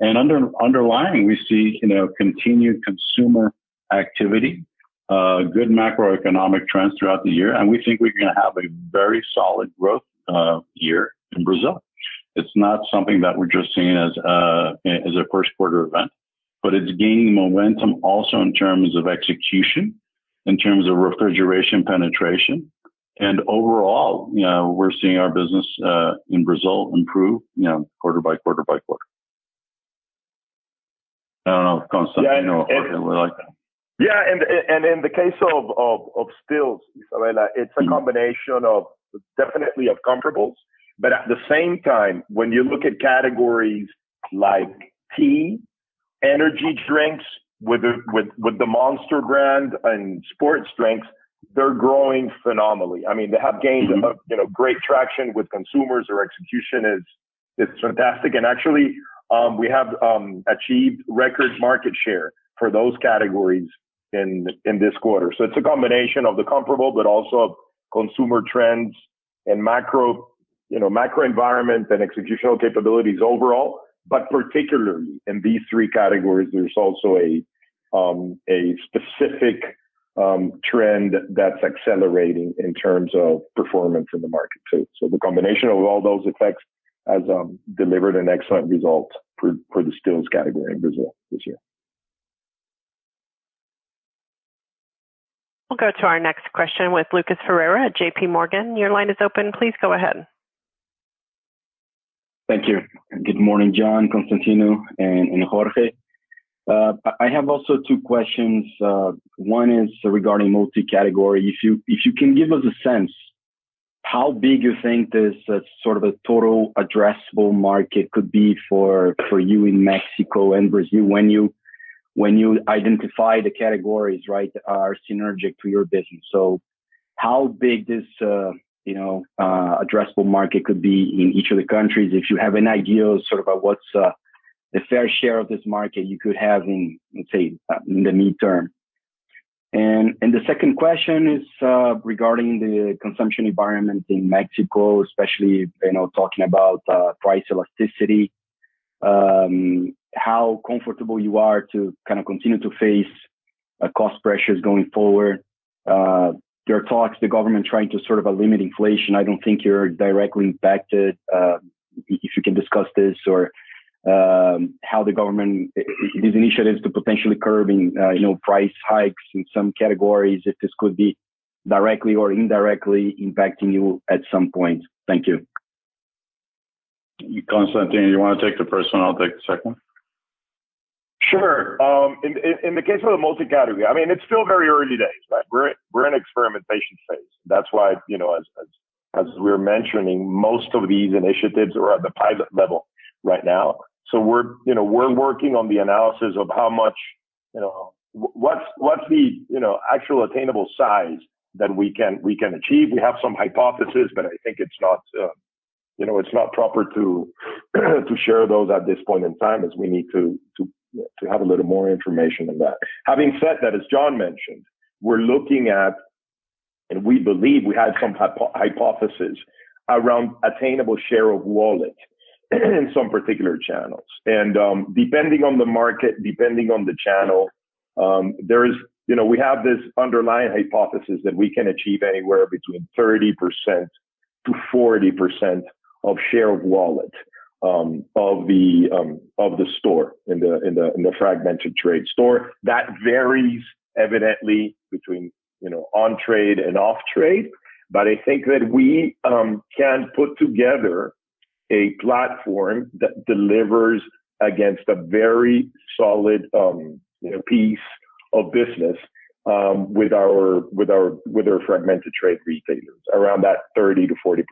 And underlying, we see, you know, continued consumer activity, good macroeconomic trends throughout the year, and we think we're gonna have a very solid growth, year in Brazil. It's not something that we're just seeing as a, as a first quarter event, but it's gaining momentum also in terms of execution, in terms of refrigeration penetration. Overall, you know, we're seeing our business in Brazil improve, you know, quarter by quarter by quarter. I don't know if Constantino or Jorge would like to- Yeah, and in the case of stills, Isabella, it's a combination of definitely of comparables, but at the same time, when you look at categories like tea, energy drinks, with the Monster brand and sports drinks, they're growing phenomenally. I mean, they have gained, you know, great traction with consumers. Their execution is fantastic. And actually, we have achieved record market share for those categories in this quarter. So it's a combination of the comparable, but also of consumer trends and macro, you know, macro environment and executional capabilities overall. But particularly in these three categories, there's also a specific trend that's accelerating in terms of performance in the market. So the combination of all those effects has delivered an excellent result for the stills category in Brazil this year. We'll go to our next question with Lucas Ferreira at J.P. Morgan. Your line is open. Please go ahead. Thank you. Good morning, John, Constantino, and Jorge. I have also two questions. One is regarding multi-category. If you can give us a sense, how big you think this sort of a total addressable market could be for you in Mexico and Brazil, when you identify the categories, right, are synergic to your business. So how big this addressable market could be in each of the countries, if you have any idea of sort of what's the fair share of this market you could have in, let's say, in the midterm? And the second question is, regarding the consumption environment in Mexico, especially, you know, talking about price elasticity, how comfortable you are to kind of continue to face cost pressures going forward? There are talks, the government trying to sort of limit inflation. I don't think you're directly impacted. If you can discuss this or how the government, these initiatives to potentially curbing, you know, price hikes in some categories, if this could be directly or indirectly impacting you at some point. Thank you. Constantino, you want to take the first one? I'll take the second one. Sure. In the case of the multi-category, I mean, it's still very early days, right? We're in experimentation phase. That's why, you know, as we were mentioning, most of these initiatives are at the pilot level right now. So we're, you know, working on the analysis of how much, you know... What's the, you know, actual attainable size that we can achieve? We have some hypothesis, but I think it's not, you know, it's not proper to share those at this point in time, as we need to have a little more information on that. Having said that, as John mentioned, we're looking at, and we believe we have some hypothesis around attainable share of wallet in some particular channels. And, depending on the market, depending on the channel, there is, you know, we have this underlying hypothesis that we can achieve anywhere between 30% to 40% of share of wallet, of the store, in the fragmented trade store. That varies evidently between, you know, on trade and off trade. But I think that we can put together a platform that delivers against a very solid, you know, piece of business, with our fragmented trade retailers around that 30-40%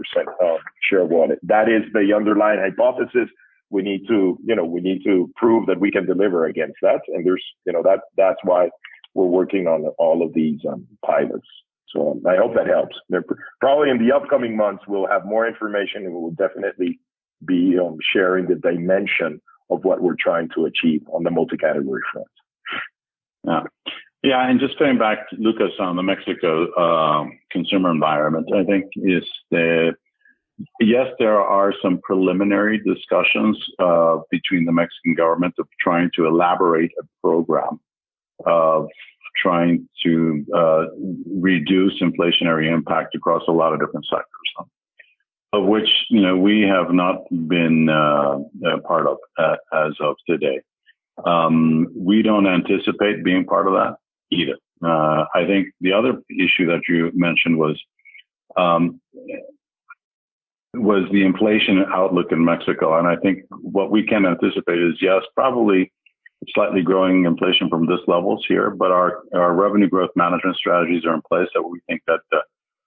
share of wallet. That is the underlying hypothesis. We need to, you know, we need to prove that we can deliver against that. And there's, you know, that's why we're working on all of these pilots. So I hope that helps. Probably in the upcoming months, we'll have more information, and we will definitely be sharing the dimension of what we're trying to achieve on the multi-category front. Yeah, and just coming back to Lucas on the Mexico consumer environment, I think is the... Yes, there are some preliminary discussions between the Mexican government of trying to elaborate a program of trying to reduce inflationary impact across a lot of different sectors, of which, you know, we have not been a part of as of today. We don't anticipate being part of that either. I think the other issue that you mentioned was the inflation outlook in Mexico, and I think what we can anticipate is, yes, probably slightly growing inflation from these levels here, but our revenue growth management strategies are in place, that we think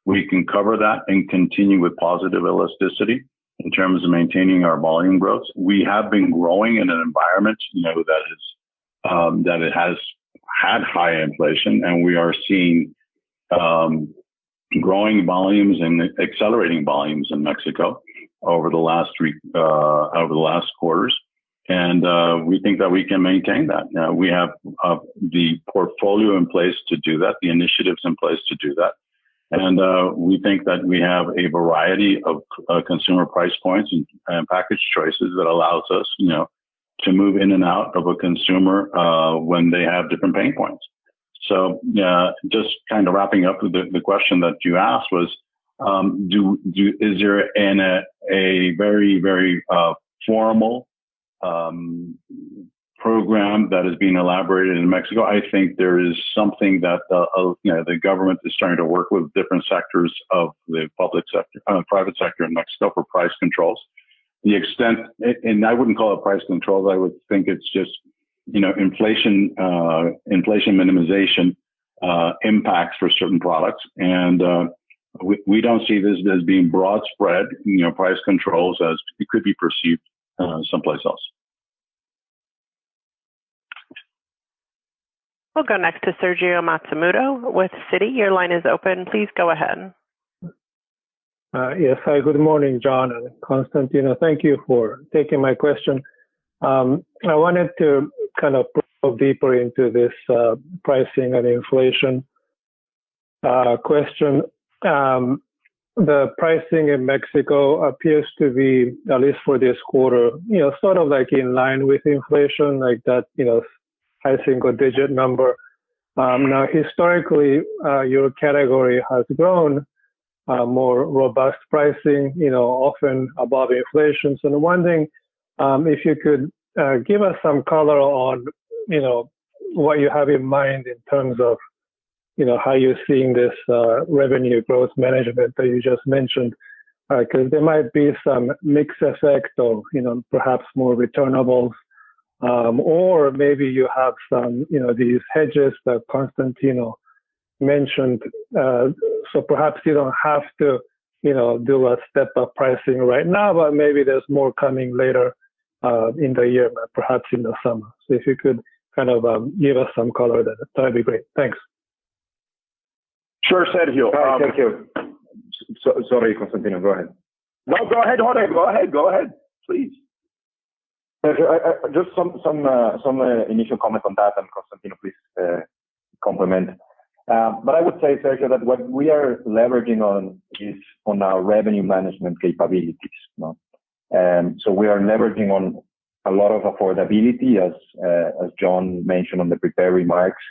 we can cover that and continue with positive elasticity in terms of maintaining our volume growth. We have been growing in an environment, you know, that is that it has had high inflation, and we are seeing growing volumes and accelerating volumes in Mexico over the last quarters, and we think that we can maintain that. Now, we have the portfolio in place to do that, the initiatives in place to do that.... And, we think that we have a variety of, consumer price points and package choices that allows us, you know, to move in and out of a consumer, when they have different pain points. So, just kind of wrapping up the question that you asked was, is there a very formal program that is being elaborated in Mexico? I think there is something that the, you know, the government is starting to work with different sectors of the public sector, private sector in Mexico for price controls. The extent... and I wouldn't call it price controls, I would think it's just, you know, inflation, inflation minimization, impacts for certain products. We don't see this as being widespread, you know, price controls as it could be perceived someplace else. We'll go next to Sergio Matsumoto with Citi. Your line is open. Please go ahead. Yes. Hi, good morning, John and Constantino. Thank you for taking my question. I wanted to kind of probe deeper into this, pricing and inflation question. The pricing in Mexico appears to be, at least for this quarter, you know, sort of like in line with inflation, like that, you know, high single digit number. Now historically, your category has grown, more robust pricing, you know, often above inflation. So I'm wondering, if you could, give us some color on, you know, what you have in mind in terms of, you know, how you're seeing this, revenue growth management that you just mentioned. 'Cause there might be some mix effect or, you know, perhaps more returnables, or maybe you have some, you know, these hedges that Constantino mentioned. So perhaps you don't have to, you know, do a step up pricing right now, but maybe there's more coming later, in the year, perhaps in the summer. So if you could kind of give us some color, that, that'd be great. Thanks. Sure, Sergio. Thank you. Sorry, Constantino, go ahead. No, go ahead, Jorge. Go ahead. Go ahead, please. Okay. Just some initial comment on that, and Constantino, please comment. I would say, Sergio, that what we are leveraging on is on our revenue management capabilities, you know. We are leveraging on a lot of affordability as John mentioned on the prepared remarks.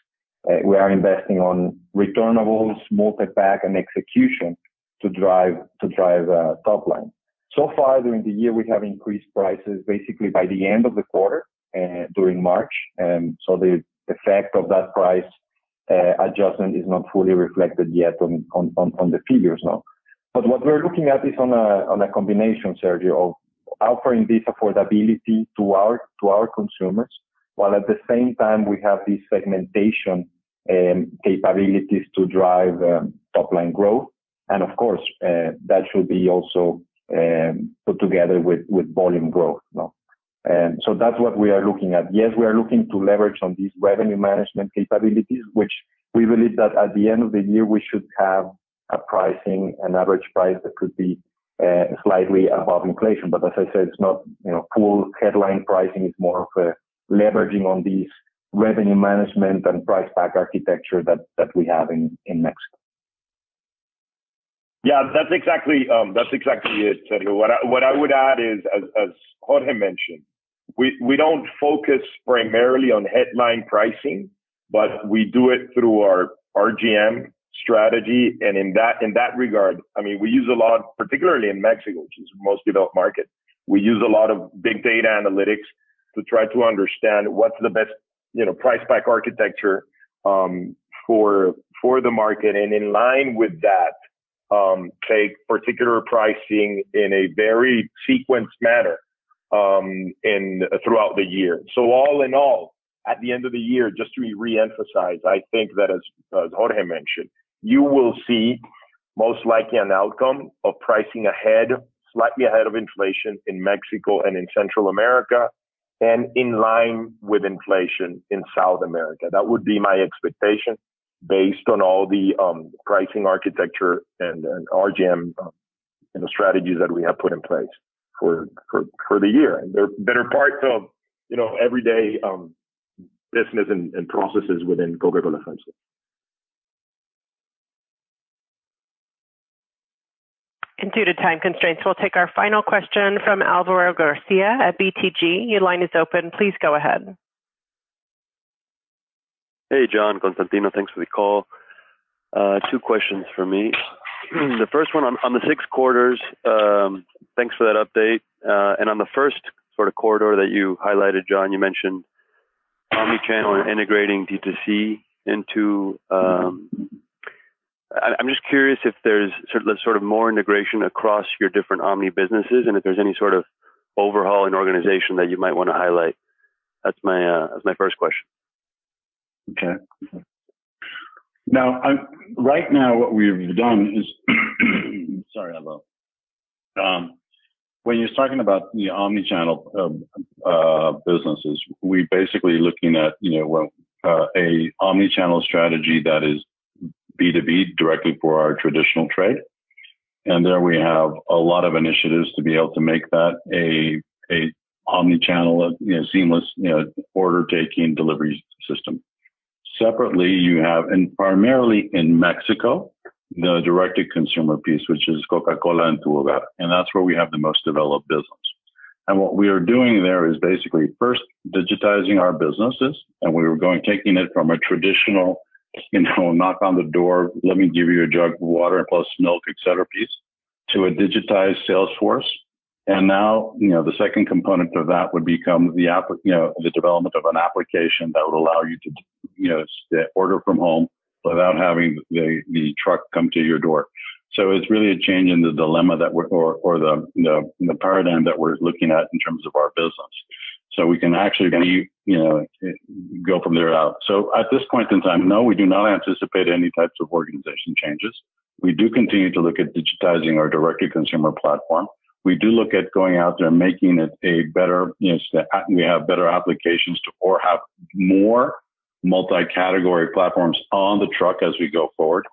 We are investing on returnables, multipack, and execution to drive top line. So far during the year, we have increased prices basically by the end of the quarter during March. The effect of that price adjustment is not fully reflected yet on the figures, no. What we're looking at is on a combination, Sergio, of offering this affordability to our consumers, while at the same time we have these segmentation capabilities to drive top-line growth. Of course, that should be also put together with volume growth, no? So that's what we are looking at. Yes, we are looking to leverage on these revenue management capabilities, which we believe that at the end of the year, we should have a pricing, an average price that could be slightly above inflation. But as I said, it's not, you know, full headline pricing. It's more of a leveraging on these revenue management and price pack architecture that we have in Mexico. Yeah, that's exactly, that's exactly it, Sergio. What I would add is, as Jorge mentioned, we don't focus primarily on headline pricing, but we do it through our RGM strategy. And in that regard, I mean, we use a lot, particularly in Mexico, which is the most developed market, we use a lot of big data analytics to try to understand what's the best, you know, price pack architecture, for the market, and in line with that, take particular pricing in a very sequenced manner, throughout the year. So all in all, at the end of the year, just to reemphasize, I think that as Jorge mentioned, you will see most likely an outcome of pricing ahead, slightly ahead of inflation in Mexico and in Central America, and in line with inflation in South America. That would be my expectation based on all the pricing architecture and RGM, you know, strategies that we have put in place for the year. And they're better part of, you know, everyday business and processes within Coca-Cola FEMSA. Due to time constraints, we'll take our final question from Álvaro García at BTG. Your line is open. Please go ahead. Hey, John, Constantino, thanks for the call. Two questions for me. The first one on the six quarters, thanks for that update. And on the first sort of corridor that you highlighted, John, you mentioned omni-channel and integrating D2C into. I'm just curious if there's sort of more integration across your different omni businesses, and if there's any sort of overhaul in organization that you might wanna highlight. That's my first question. Okay. Now, right now what we've done is, sorry about that. When you're talking about the omni-channel businesses, we're basically looking at, you know, well, a omni-channel strategy that is B2B, directly for our traditional trade.... and there we have a lot of initiatives to be able to make that an omni-channel, seamless, you know, order-taking delivery system. Separately, you have, and primarily in Mexico, the direct-to-consumer piece, which is Coca-Cola en tu Hogar, and that's where we have the most developed business. And what we are doing there is basically, first, digitizing our businesses, and we were going, taking it from a traditional, you know, knock on the door, let me give you a jug of water, plus milk, et cetera, piece, to a digitized sales force. And now, you know, the second component of that would become the app, you know, the development of an application that would allow you to, you know, order from home without having the, the truck come to your door. It's really a change in the dilemma that we're or the paradigm that we're looking at in terms of our business. So we can actually you know go from there out. So at this point in time, no, we do not anticipate any types of organization changes. We do continue to look at digitizing our direct-to-consumer platform. We do look at going out there and making it a better you know so we have better applications to or have more multi-category platforms on the truck as we go forward.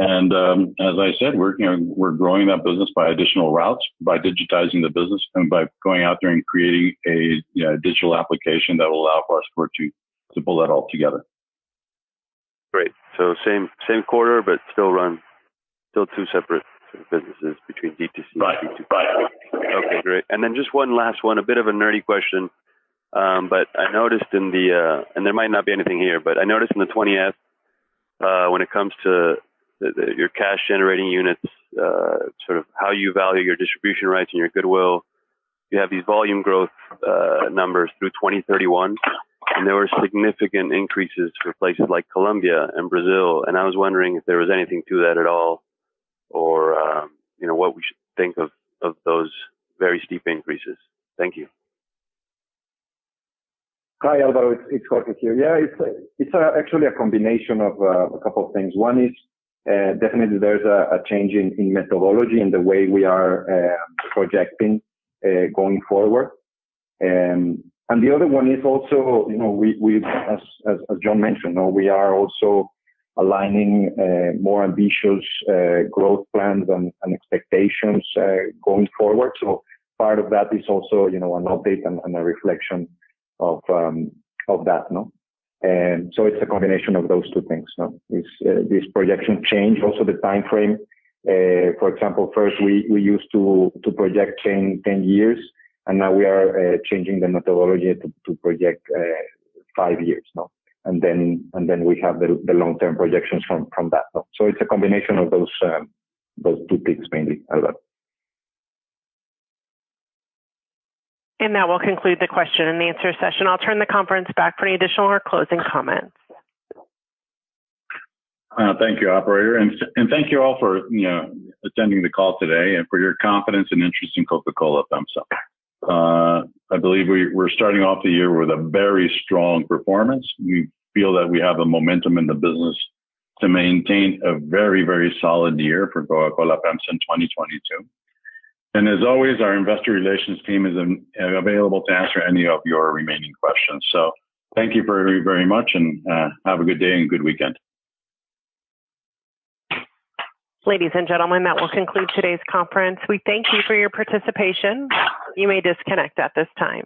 And as I said, we're you know we're growing that business by additional routes, by digitizing the business and by going out there and creating a you know digital application that will allow for our support to pull that all together. Great. So same quarter, but still two separate businesses between D2C and D2- Right. Okay, great. And then just one last one, a bit of a nerdy question. But I noticed in the 20-F, and there might not be anything here, but when it comes to your cash generating units, sort of how you value your distribution rights and your goodwill, you have these volume growth numbers through 2031, and there were significant increases for places like Colombia and Brazil. And I was wondering if there was anything to that at all, or, you know, what we should think of those very steep increases. Thank you. Hi, Álvaro, it's Jorge here. Yeah, it's actually a combination of a couple of things. One is definitely there's a change in methodology in the way we are projecting going forward. And the other one is also, you know, we, as John mentioned, we are also aligning more ambitious growth plans and expectations going forward. So part of that is also, you know, an update and a reflection of that, no? And so it's a combination of those two things, no. It's this projection change, also the time frame. For example, first, we used to project 10 years, and now we are changing the methodology to project five years, no? And then we have the long-term projections from that. So it's a combination of those two things, mainly, Álvaro. And that will conclude the question and answer session. I'll turn the conference back for any additional or closing comments. Thank you, operator. And thank you all for, you know, attending the call today and for your confidence and interest in Coca-Cola FEMSA. I believe we're starting off the year with a very strong performance. We feel that we have the momentum in the business to maintain a very, very solid year for Coca-Cola FEMSA in twenty twenty-two. And as always, our investor relations team is available to answer any of your remaining questions. So thank you very, very much, and have a good day and good weekend. Ladies and gentlemen, that will conclude today's conference. We thank you for your participation. You may disconnect at this time.